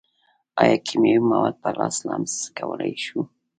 ایا کیمیاوي مواد په لاس لمس کولی شو.